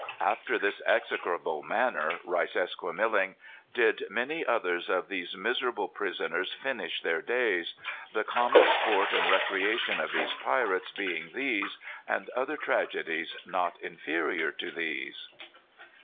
"After this execrable manner," writes Esquemeling, "did many others of these miserable prisoners finish their days; the common sport and recreation of these pirates being these, and other tragedies not inferior to these."